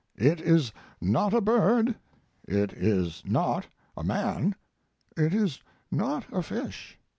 It is not a bird. It is not a man. It is not a fish.